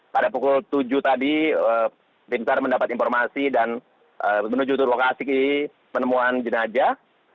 pada pukul tujuh tadi tim sar mendapat informasi dan menuju lokasi penemuan jenazah